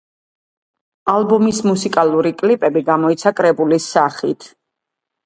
ალბომის მუსიკალური კლიპები გამოიცა კრებულის სახით.